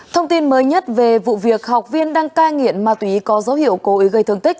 thông tin mới nhất về vụ việc học viên đang cai nghiện ma túy có dấu hiệu cố ý gây thương tích